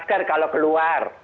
jangan sampai dia keluar